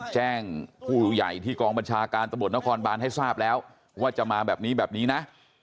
แจ้งผู้ใหญ่ที่กองบัญชาการตำรวจนครบานให้ทราบแล้วว่าจะมาแบบนี้แบบนี้นะ